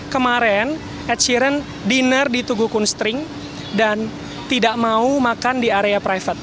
kemaren ed sheeran diner di tugu kunstring dan tidak mau makan di area private